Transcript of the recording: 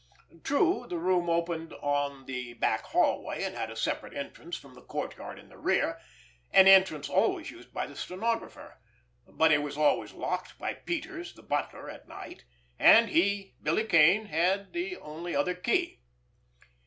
True, the room opened on the back hallway and had a separate entrance from the courtyard in the rear, an entrance always used by the stenographer, but it was always locked by Peters, the butler, at night, and he, Billy Kane, had the only other key.